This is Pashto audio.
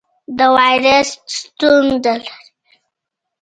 د وایرس ستونزه لرئ؟